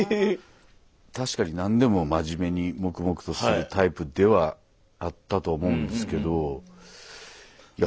確かに何でも真面目に黙々とするタイプではあったと思うんですけどいや